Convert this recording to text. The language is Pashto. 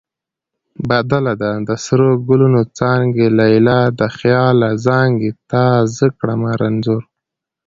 بدله ده: د سرو ګلونو څانګې لیلا د خیاله زانګې تا زه کړمه رنځور